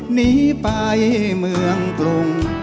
หนีไปเมืองกรุง